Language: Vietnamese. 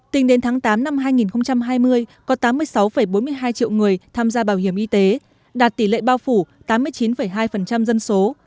tính đến tháng tám năm hai nghìn hai mươi có tám mươi sáu bốn mươi hai triệu người tham gia bảo hiểm y tế đạt tỷ lệ bao phủ tám mươi chín hai dân số